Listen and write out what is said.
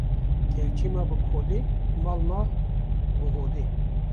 Kevçî ma bi kodê, mal ma bi hodê